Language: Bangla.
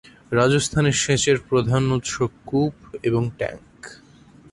রাজস্থানে সেচের প্রধান উৎস কূপ এবং ট্যাংক।